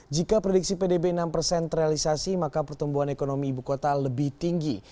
jika prediksi pdb enam persen terrealisasi maka pertumbuhan ekonomi ibu kota lebih tinggi